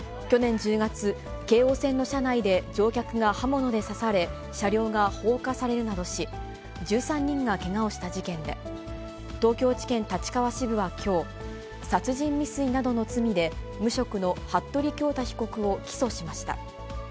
去年１０月、京王線の車内で乗客が刃物で刺され、車両が放火されるなどし、１３人がけがをした事件で、東京地検立川支部はきょう、殺人未遂などの罪で、無職の服部恭太被告を起訴しました。